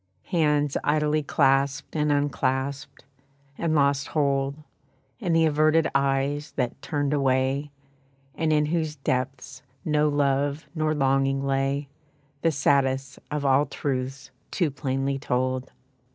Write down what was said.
Hands idly clasped and unclasped, and lost hold, And the averted eyes, that turned away, And in whose depths no love nor longing lay, The saddest of all truths too plainly told.